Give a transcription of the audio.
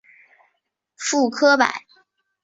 傅科摆